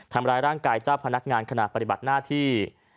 ทำร้ายร่างกายเจ้าพนักงานขณะปฏิบัติหน้าที่